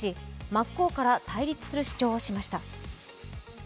真っ向から対立する主張をしました。